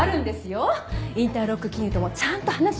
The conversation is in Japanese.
インターロック金融ともちゃんと話はついてるんです。